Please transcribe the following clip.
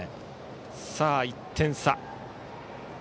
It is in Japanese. さあ、１点差。